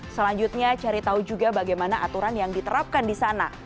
selanjutnya cari tahu juga bagaimana aturan yang diterapkan di sana